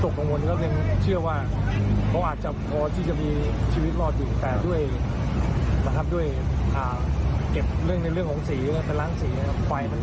คือมาจากต่างประเทศจบเป็นรุงโทรครับ